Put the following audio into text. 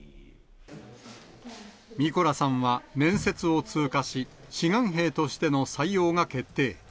ミコラさんは面接を通過し、志願兵としての採用が決定。